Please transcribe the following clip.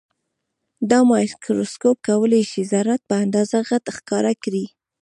دا مایکروسکوپ کولای شي ذرات په اندازه غټ ښکاره کړي.